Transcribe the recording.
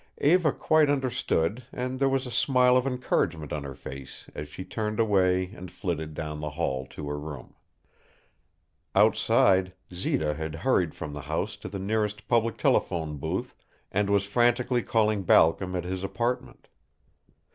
Eva quite understood, and there was a smile of encouragement on her face as she turned away and flitted down the hall to her room. Outside, Zita had hurried from the house to the nearest public telephone booth and was frantically calling Balcom at his apartment.